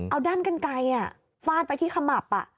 เอาด้ามกันไกลฟาดไปที่ขมับ